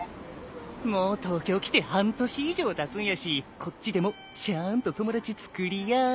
もう東京来て半年以上たつんやしこっちでもちゃんと友達つくりや。